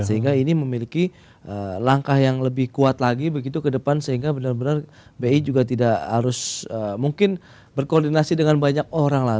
sehingga ini memiliki langkah yang lebih kuat lagi begitu ke depan sehingga benar benar bi juga tidak harus mungkin berkoordinasi dengan banyak orang lah